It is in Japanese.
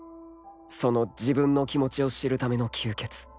［その自分の気持ちを知るための吸血］